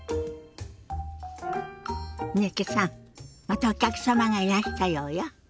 またお客様がいらしたようよ。